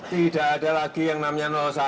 tidak ada lagi yang namanya satu